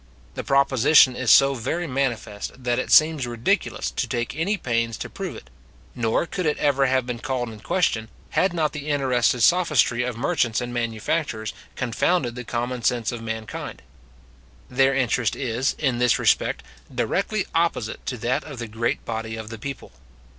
The proposition is so very manifest, that it seems ridiculous to take any pains to prove it; nor could it ever have been called in question, had not the interested sophistry of merchants and manufacturers confounded the common sense of mankind. Their interest is, in this respect, directly opposite to that of the great body of the people.